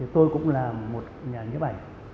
tôi cũng là một nhà nhếp ảnh